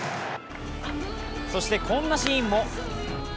そしてこんなシーンも。